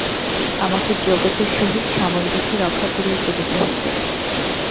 আমাকে জগতের সহিত সামঞ্জস্য রক্ষা করিয়া চলিতে হইবে।